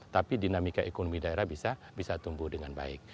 tapi dinamika ekonomi daerah bisa tumbuh dengan baik